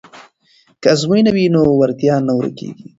که ازموینه وي نو وړتیا نه ورکیږي.